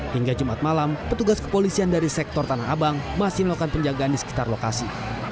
hingga jumat malam petugas kepolisian dari sektor tanah abang masih melakukan penjagaan di sekitar lokasi